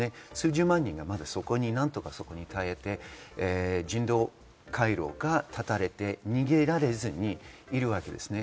数十万人がまだそこになんとか耐えて人道回廊を断たれて、逃げられずにいるわけです。